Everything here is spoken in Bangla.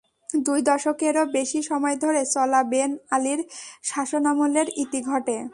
দুই দশকেরও বেশি সময় ধরে চলা বেন আলীর শাসনামলের ইতি ঘটে।